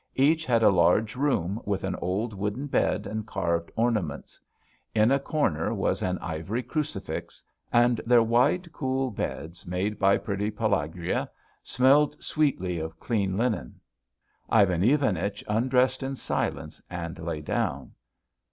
Each had a large room with an old wooden bed and carved ornaments; in the corner was an ivory crucifix; and their wide, cool beds, made by pretty Pelagueya, smelled sweetly of clean linen. Ivan Ivanich undressed in silence and lay down.